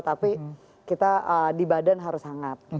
tapi kita di badan harus hangat